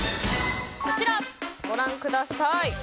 こちらご覧ください。